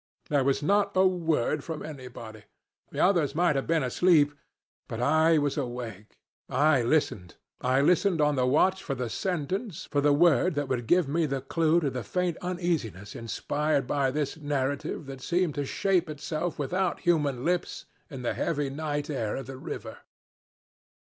There was not a word from anybody. The others might have been asleep, but I was awake. I listened, I listened on the watch for the sentence, for the word, that would give me the clew to the faint uneasiness inspired by this narrative that seemed to shape itself without human lips in the heavy night air of the river.